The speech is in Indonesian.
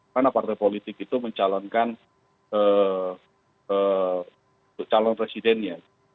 karena partai politik itu mencalonkan calon presidennya